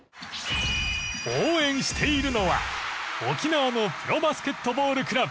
応援しているのは沖縄のプロバスケットボールクラブ